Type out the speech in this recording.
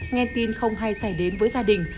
nghe tin không hay xảy đến với gia đình